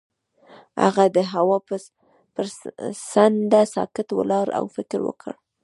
هغه د هوا پر څنډه ساکت ولاړ او فکر وکړ.